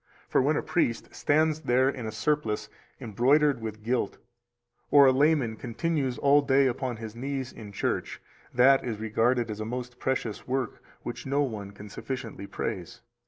For when a priest stands there in a surplice embroidered with gilt, or a layman continues all day upon his knees in church, that is regarded as a most precious work which no one can sufficiently praise.